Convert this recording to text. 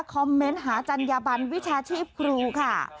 คอมเมนต์หาจัญญบันวิชาชีพครูค่ะ